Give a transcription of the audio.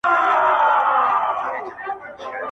ویل کوچ دی له رباته د کاروان استازی راغی٫